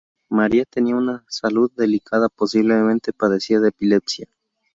María tenía una salud delicada, posiblemente padecía de epilepsia.